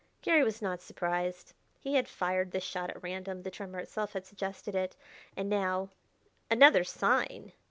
Garry was not surprised. He had fired this shot at random; the tremor itself had suggested it. And now "Another sign!"